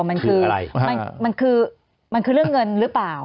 มันคืออะไรมันคือเรื่องเงินรึเปล่า